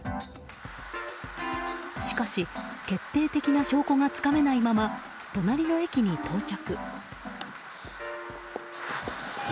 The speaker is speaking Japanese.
しかし決定的な証拠がつかめないまま隣の駅に到着。